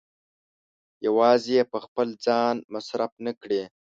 يوازې يې په خپل ځان مصرف نه کړي.